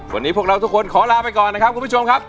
วันนี้พวกเราทุกคนขอลาไปก่อนนะครับ